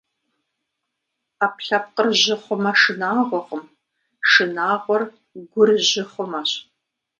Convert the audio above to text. Ӏэпкълъэпкъыр жьы хъумэ шынагъуэкъым, шынагъуэр гур жьы хъумэщ.